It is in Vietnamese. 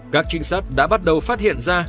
các trinh sát đã bắt đầu phát hiện ra